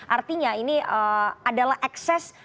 artinya ini adalah ekses